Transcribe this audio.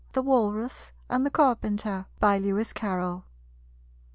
_) THE WALRUS AND THE CARPENTER. LEWIS CARROLL.